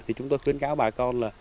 thì chúng tôi khuyến khích các bà con